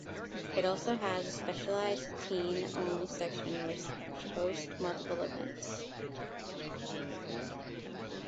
It also has a specialized teen-only section which hosts multiple events.